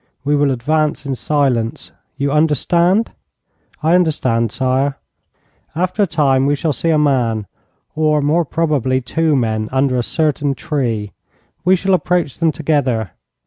We will advance in silence. You understand?' 'I understand, sire.' 'After a time we shall see a man, or more probably two men, under a certain tree. We shall approach them together.